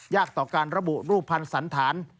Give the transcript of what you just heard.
ต่อการระบุรูปภัณฑ์สันธาร